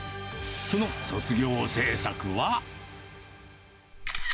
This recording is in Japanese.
その卒業制作は。